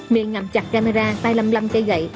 miệng ngầm chặt camera tay lâm lâm cây gậy